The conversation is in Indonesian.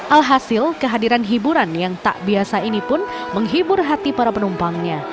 alhasil kehadiran hiburan yang tak biasa ini pun menghibur hati para penumpangnya